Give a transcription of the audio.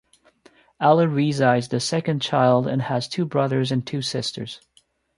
Alireza is the second child and has two brothers and two sisters.